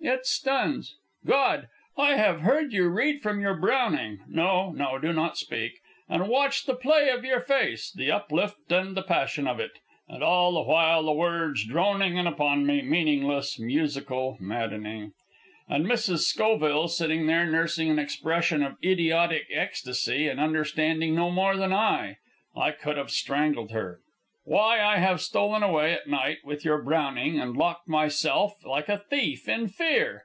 It stuns. God! I have heard you read from your Browning no, no; do not speak and watched the play of your face, the uplift and the passion of it, and all the while the words droning in upon me, meaningless, musical, maddening. And Mrs. Schoville sitting there, nursing an expression of idiotic ecstasy, and understanding no more than I. I could have strangled her. "Why, I have stolen away, at night, with your Browning, and locked myself in like a thief in fear.